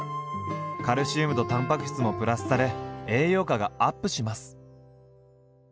カルシウムとたんぱく質もプラスされ栄養価がアップします。